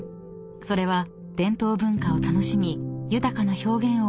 ［それは伝統文化を楽しみ豊かな表現を学ぶひととき］